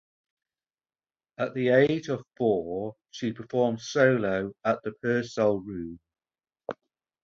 At the age of four she performed solo at the Purcell Room.